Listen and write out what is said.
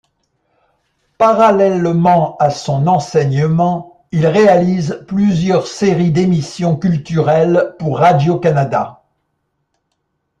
Parallèlement à son enseignement, il réalise plusieurs séries d'émissions culturelles pour Radio-Canada.